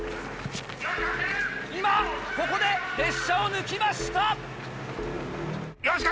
今ここで列車を抜きました！